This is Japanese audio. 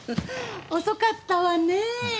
遅かったわねえ。